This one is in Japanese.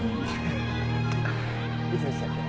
いつでしたっけ？